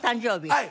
はい。